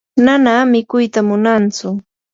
mana mikuyta munatsu.